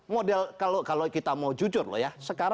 model kalau kita mau jujur loh ya